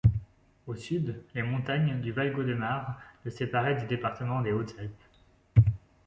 Au sud, les montagnes du Valgaudemar le séparaient du département des Hautes-Alpes.